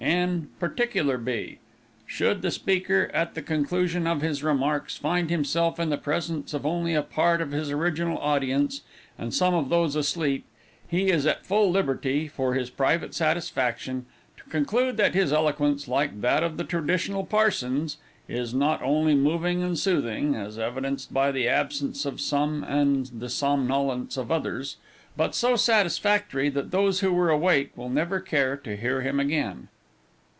N. particular B. Should the speaker, at the conclusion of his remarks, find himself in the presence of only a part of his original audience, and some of those asleep; he is at full liberty, for his private satisfaction, to conclude that his eloquence, like that of the traditional parsons, is not only moving and soothing, as evidenced by the absence of some and the somnolence of others, but so satisfactory that those who were awake will never care to hear him again.